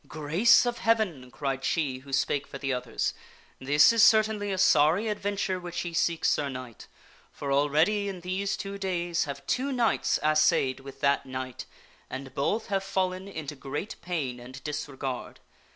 " Grace of Heaven !" cried she who spake for the others, " this is cer tainly a sorry adventure which ye seek, Sir Knight! For already, in these two days, have two knights assayed with that knight, and both have fallen into great pain and disregard.